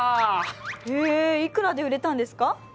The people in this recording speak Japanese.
へえいくらで売れたんですか？